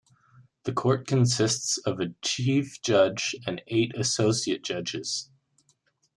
The court consists of a chief judge and eight associate judges.